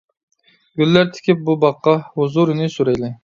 گۈللەر تىكىپ بۇ باغقا، ھۇزۇرىنى سۈرەيلى.